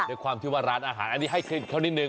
ด้วยความที่ว่าร้านอาหารอันนี้ให้เคล็ดเขานิดนึ